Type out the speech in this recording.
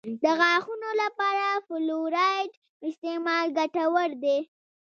د غاښونو لپاره د فلورایډ استعمال ګټور دی.